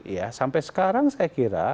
ya sampai sekarang saya kira